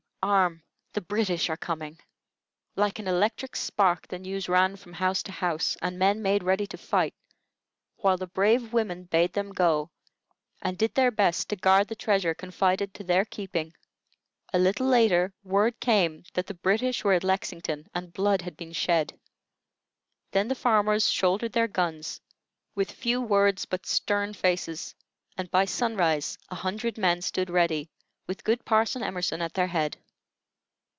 arm! the British are coming!" Like an electric spark the news ran from house to house, and men made ready to fight, while the brave women bade them go, and did their best to guard the treasure confided to their keeping. A little later, word came that the British were at Lexington, and blood had been shed. Then the farmers shouldered their guns, with few words but stern faces, and by sunrise a hundred men stood ready, with good Parson Emerson at their head.